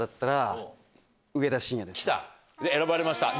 選ばれました。